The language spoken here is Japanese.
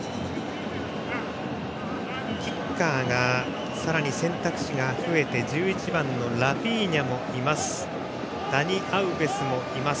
キッカー、さらに選択肢が増えて１１番のラフィーニャもいます。